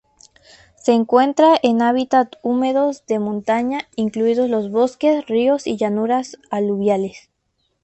Se encuentra en hábitat húmedos de montaña, incluidos los bosques, ríos y llanuras aluviales.